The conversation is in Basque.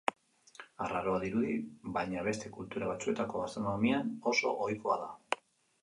Arraroa dirudi, baina beste kultura batzuetako gastronomian oso ohikoa da.